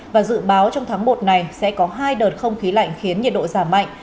và dự báo trong tháng một này sẽ có hai đợt không khí lạnh khiến nhiệt độ giảm mạnh